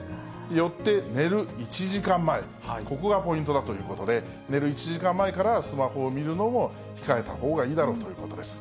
よって、寝る１時間前、ここがポイントだということで、寝る１時間前からは、スマホを見るのを控えたほうがいいだろうということです。